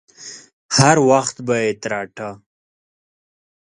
هر وخت به يې تراټه.